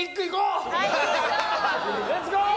レッツゴー！